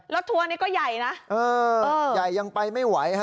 ทัวร์นี้ก็ใหญ่นะเออใหญ่ยังไปไม่ไหวฮะ